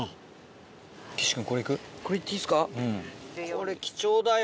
これ貴重だよ